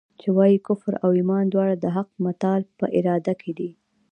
چي وايي کفر او ایمان دواړه د حق متعال په اراده کي دي.